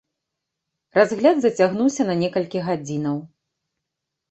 Разгляд зацягнуўся на некалькі гадзінаў.